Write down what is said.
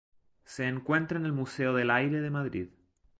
Se encuentra en el Museo del Aire de Madrid.